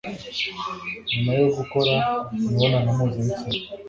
Nyuma yo gukora imibonanompuzabitsina,